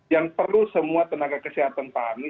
yang perlu semua tenaga kesehatan pahami